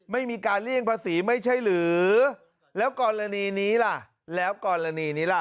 ไม่มีการเลี่ยงภาษีไม่ใช่หรือแล้วกรณีนี้ล่ะแล้วกรณีนี้ล่ะ